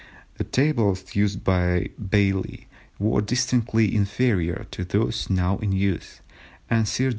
The tables used by Baily were distinctly inferior to those now in use, and Sir G.